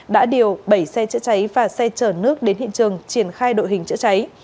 đã điều bảy xe chữa cháy và xe chở nước đến hiện trường triển khai đội hình chữa cháy